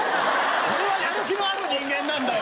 俺はやる気のある人間なんだよ！